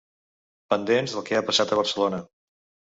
Pendents del que ha passat a Barcelona.